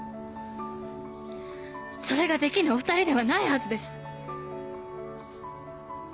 それができぬお２人ではないはずです。